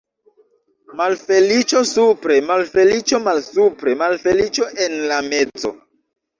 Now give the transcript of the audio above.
Malfeliĉo supre, malfeliĉo malsupre, malfeliĉo en la mezo.